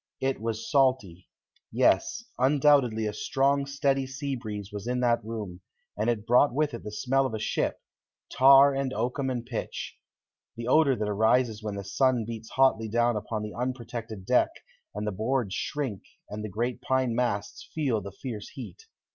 It was salty. Yes, undoubtedly a strong, steady sea breeze was in that room, and it brought with it the smell of a ship, tar and oakum and pitch the odor that arises when the sun beats hotly down upon the unprotected deck and the boards shrink and the great pine masts feel the fierce heat.